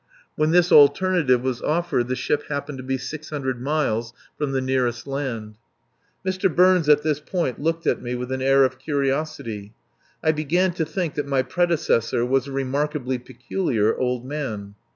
When this alternative was offered the ship happened to be 600 miles from the nearest land. Mr. Burns at this point looked at me with an air of curiosity. I began to think that my predecessor was a remarkably peculiar old man.